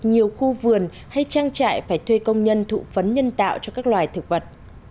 nhiều khu vườn hay trang trại phải thuê công nhân thụ phấn nhân tạo cho các loài thực vật